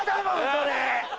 それ。